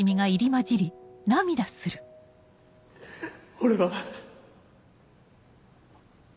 俺は。